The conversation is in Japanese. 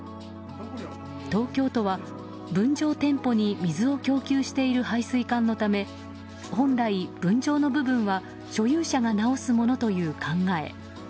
東京都は分譲店舗に水を供給している配水管のため本来、分譲の部分は所有者が直すものという考え。